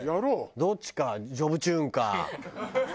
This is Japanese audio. どっちか『ジョブチューン』か。